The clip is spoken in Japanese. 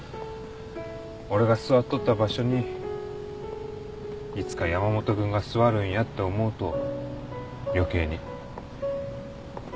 俺が座っとった場所にいつか山本君が座るんやと思うと余計に。